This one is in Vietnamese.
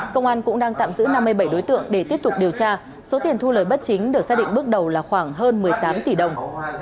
công an cũng đang tạm giữ năm mươi bảy đối tượng để tiếp tục điều tra số tiền thu lời bất chính được xác định bước đầu là khoảng hơn một mươi tám tỷ đồng